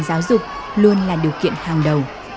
và nền tảng giáo dục luôn là điều kiện hàng đầu